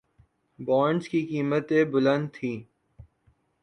bonds کی قیمتیں بلند تھیں